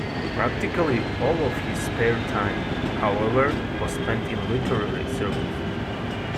Practically all of his spare time, however, was spent in literary circles.